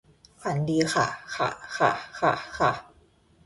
ฝันดีค่ะค่ะ ค่ะ ค่ะ ค่ะ